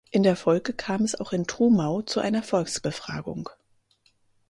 In der Folge kam es auch in Trumau zu einer Volksbefragung.